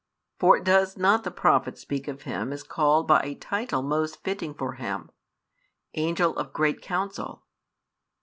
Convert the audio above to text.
For does not the prophet speak of Him as called by a title most fitting for Him: "Angel of great counsel?"